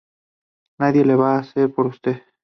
Nadie la va a hacer por usted.